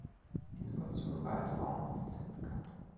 Diese Portion war als Bauernhof-Zinn bekannt.